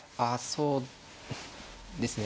そうですね